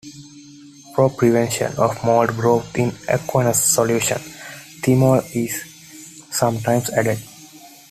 For prevention of mold growth in aqueous solutions, thymol is sometimes added.